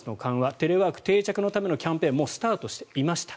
テレワーク定着のためのキャンペーンはもうスタートしていました。